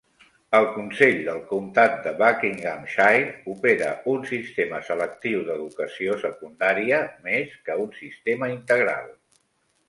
El consell del comtat de Buckinghamshire opera un sistema selectiu d'educació secundària, més que un sistema integral.